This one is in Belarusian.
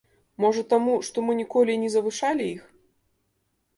Можа таму, што мы ніколі і не завышалі іх?